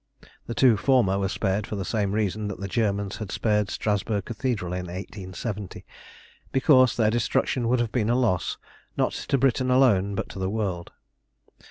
The two former were spared for the same reason that the Germans had spared Strasburg Cathedral in 1870 because their destruction would have been a loss, not to Britain alone, but to the world.